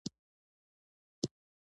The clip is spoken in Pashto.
د کمعقلتوب دلیل یې نلرم.